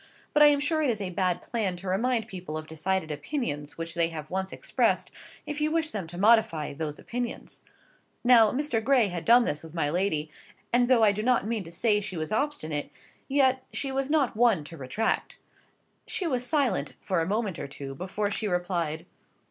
But I am sure it is a bad plan to remind people of decided opinions which they have once expressed, if you wish them to modify those opinions. Now, Mr. Gray had done this with my lady; and though I do not mean to say she was obstinate, yet she was not one to retract. She was silent for a moment or two before she replied.